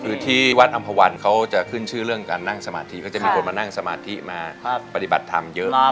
คือที่วัดอำภาวันเขาจะขึ้นชื่อเรื่องการนั่งสมาธิก็จะมีคนมานั่งสมาธิมาปฏิบัติธรรมเยอะ